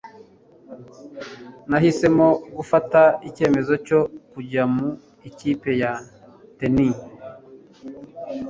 Nahisemo gufata icyemezo cyo kujya mu ikipe ya tennis.